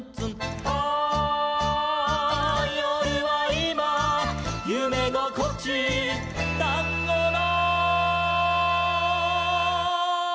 「ああよるはいまゆめごこち」「タンゴの」